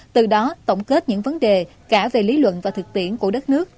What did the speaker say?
tổng kết để làm rõ được